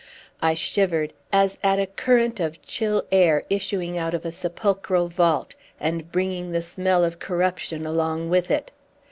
I shivered, as at a current of chill air issuing out of a sepulchral vault, and bringing the smell of corruption along with it.